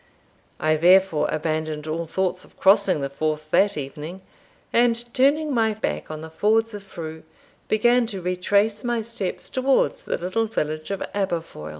I therefore abandoned all thoughts of crossing the Forth that evening; and, turning my back on the Fords of Frew, began to retrace my steps towards the little village of Aberfoil.